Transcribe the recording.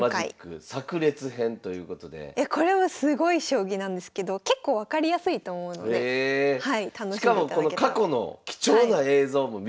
これもすごい将棋なんですけど結構分かりやすいと思うので楽しんでいただけたら。